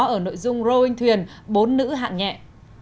ở nội dung rowing thuyền bốn nữ hạng nhạc